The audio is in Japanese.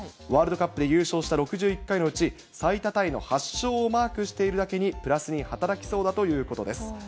ワールドカップで優勝した６１回のうち、最多タイの８勝をマークしているだけに、プラスに働きそうだということです。